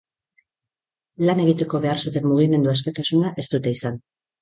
Lan egiteko behar zuten mugimendu askatasuna ez dute izan.